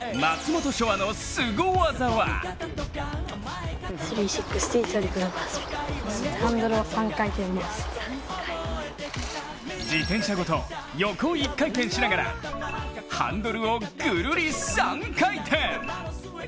海のすご技は自転車ごと横１回転しながらハンドルをぐるり３回転。